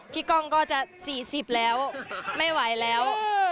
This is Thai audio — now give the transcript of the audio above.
พี่ก้องก็จะสี่สิบแล้วไม่ไหวแล้ว